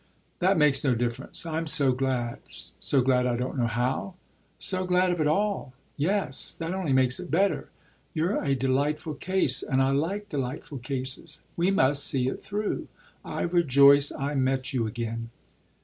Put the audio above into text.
"That makes no difference. I'm so glad." "So glad I don't know how?" "So glad of it all. Yes, that only makes it better. You're a delightful case, and I like delightful cases. We must see it through. I rejoice I met you again."